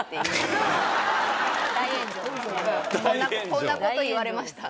「こんな事言われました」